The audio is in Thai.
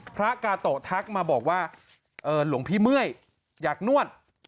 พระกาโตะทักมาบอกว่าหลวงพี่เมื่อยอยากนวด